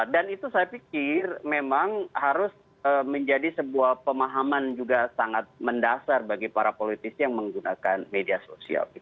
dan itu saya pikir memang harus menjadi sebuah pemahaman juga sangat mendasar bagi para politisi yang menggunakan media sosial